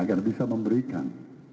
agar bisa memberikan